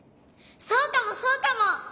そうかもそうかも！